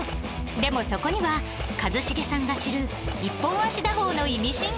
でもそこには一茂さんが知る一本足打法のイミシンがあるんです